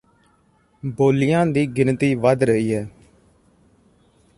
ਬੋਲਿਆਂ ਦੀ ਗਿਣਤੀ ਵੱਧ ਰਹੀ ਹੈ